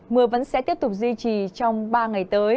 mưa vẫn sẽ tiếp tục duy trì trong ba ngày tới